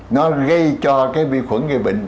nó gây cho cái vi khuẩn gây bệnh